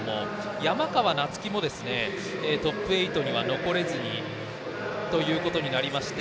山川夏輝もトップ８には残れずということになりまして。